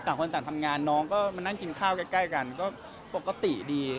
คนต่างทำงานน้องก็มานั่งกินข้าวใกล้กันก็ปกติดี